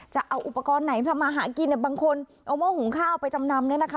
จะเอาอุปกรณ์ไหนทำมาหากินบางคนเอาหม้อหุงข้าวไปจำนำเนี่ยนะคะ